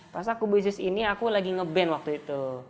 pas aku bisnis ini aku lagi ngeband waktu itu